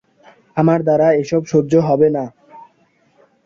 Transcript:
আমার দ্বারা এসব সহ্য হবে না।